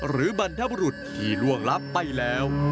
บรรพบรุษที่ล่วงลับไปแล้ว